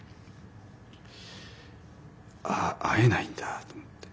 ああ会えないんだと思って。